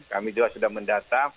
kami juga sudah mendata